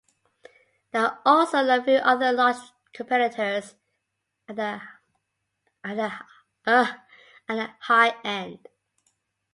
There are also a few other large competitors at the high-end.